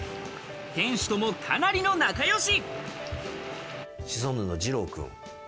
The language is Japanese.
店主とも、かなりの仲よし。